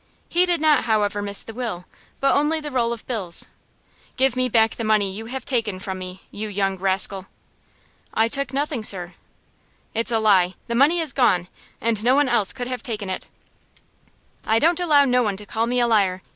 He did not, however, miss the will, but only the roll of bills. "Give me back the money you have taken from me, you young rascal!" "I took nothing, sir." "It's a lie! The money is gone, and no one else could have taken it." "I don't allow no one to call me a liar.